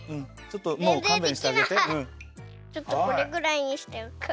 ちょっとこれぐらいにしておく。